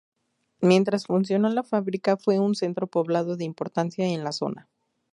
Mientras funcionó la fábrica fue un centro poblado de importancia en la zona.